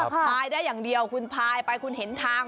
พายได้อย่างเดียวคุณพายไปคุณเห็นทาง